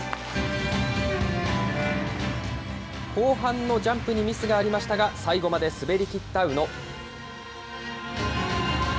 後半のジャンプにミスがありましたが、最後まで滑りきった宇野。